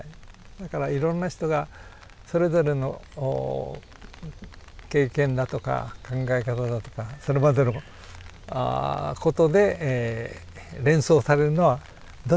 だからいろんな人がそれぞれの経験だとか考え方だとかそれまでのことでえ連想されるのはどうぞご自由に。